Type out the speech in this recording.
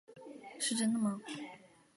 是真的吗？